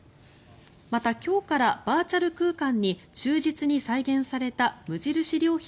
また、今日からバーチャル空間に忠実に再現された無印良品